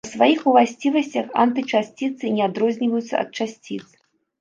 Па сваіх уласцівасцях антычасціцы не адрозніваюцца ад часціц.